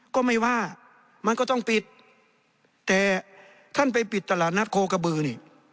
ก็ไม่ว่ามันก็ต้องปิดแต่ท่านไปปิดตลาดนัดโคกระบือนี่